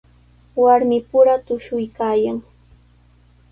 Warmipura tushuykaayan.